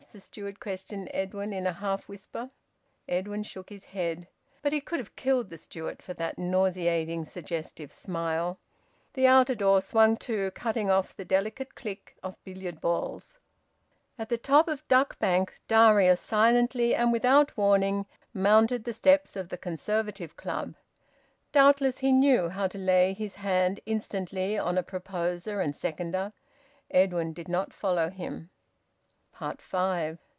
the steward questioned Edwin in a half whisper. Edwin shook his head. But he could have killed the steward for that nauseating suggestive smile. The outer door swung to, cutting off the delicate click of billiard balls. At the top of Duck Bank, Darius silently and without warning mounted the steps of the Conservative Club. Doubtless he knew how to lay his hand instantly on a proposer and seconder. Edwin did not follow him. FIVE.